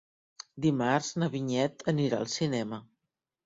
Dimarts na Vinyet anirà al cinema.